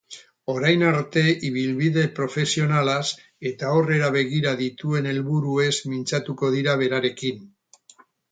Orain arte ibilbide profesionalaz eta aurrera begira dituen helburuez mintzatuko dira berarekin.